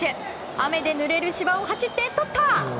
雨でぬれる芝を走って、とった！